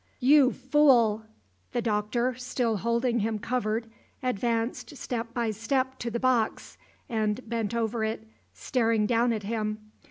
"You fool!" The Doctor, still holding him covered, advanced step by step to the box, and bent over it, staring down at him.